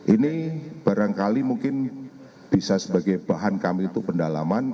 ini barangkali mungkin bisa sebagai bahan kami itu pendalaman